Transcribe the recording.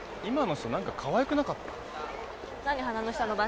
今の人何かかわいくなかった？